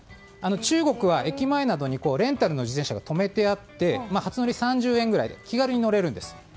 中国は、駅前などにレンタルの自転車が止めてあって初乗り３０円くらいで気軽に乗れるんです。